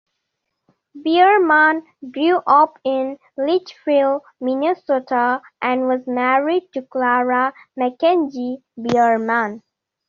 Bierman grew up in Litchfield, Minnesota and was married to Clara McKenzie Bierman.